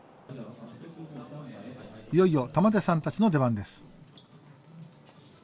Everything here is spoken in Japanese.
いよいよ玉手さんたちの出番です。